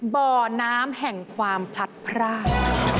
บ่อน้ำแห่งความพลัดพราก